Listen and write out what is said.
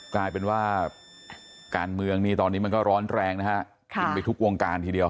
กลายเป็นว่าการเมืองนี้ตอนนี้มันก็ร้อนแรงนะฮะกินไปทุกวงการทีเดียว